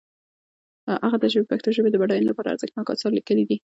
هغه د پښتو ژبې د بډاینې لپاره ارزښتناک آثار لیکلي دي.